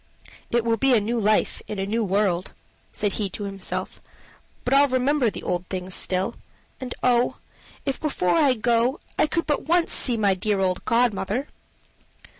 "It will be a new life in a new world," said he to himself; "but I'll remember the old things still. And, oh! if before I go I could but once see my dear old godmother."